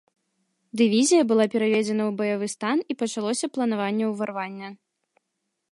Дывізія была пераведзена ў баявы стан і пачалося планаванне ўварвання.